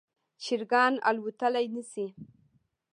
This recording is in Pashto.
چرګان الوتلی نشي